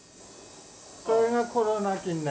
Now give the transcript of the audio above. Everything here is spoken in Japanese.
これがコロナ菌ね。